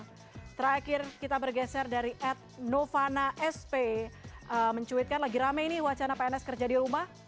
oke terakhir kita bergeser dari ed novana sp mencuitkan lagi rame ini wacana pns kerja di rumah